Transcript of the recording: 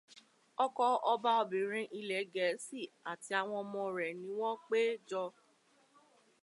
Ọkọ ọbabìnrin ilẹ̀ Gẹ̀ẹ́sí àti àwọn ọmọ rẹ̀ ni wọ́n pé jọ